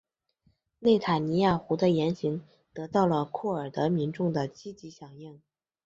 内塔尼亚胡的言行得到了库尔德民众的积极响应。